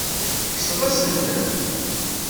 Tekkseḍ-asent-ten.